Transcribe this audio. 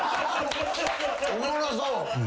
おもろそう。